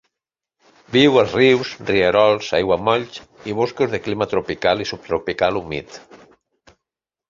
Viu als rius, rierols, aiguamolls i boscos de clima tropical i subtropical humit.